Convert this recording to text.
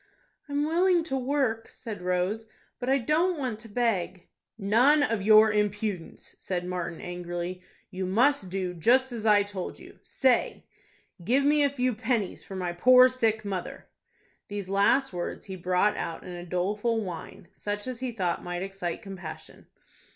"I'm willing to work," said Rose, "but I don't want to beg." "None of your impudence!" said Martin, angrily. "You must do just as I told you. Say, 'Give me a few pennies for my poor sick mother.'" These last words he brought out in a doleful whine, such as he thought might excite compassion.